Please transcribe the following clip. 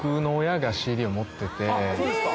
あっそうですか。